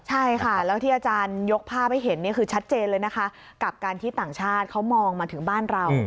ใช่ค่ะแล้วที่อาจารยกภาพให้เห็นคือชัดเจนเลยนะคะกับการที่ต่างชาติเขามองมาถึงบ้านเรา